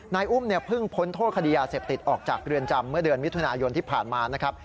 นายอุ้มเนี่ยเพิ่งพ้นโทษคดียาเสพติดออกจากเรือนจำเมื่อเดือนมิถุนายนที่ผ่านมานะครับ